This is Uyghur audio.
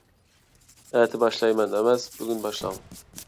ئەتە باشلايمەن ئەمەس، بۈگۈن باشلاڭ.